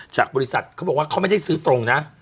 จากบริษัทเขาบอกว่าเขาไม่ได้ซื้อตรงนะ